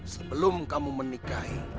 sebelum kamu menikahi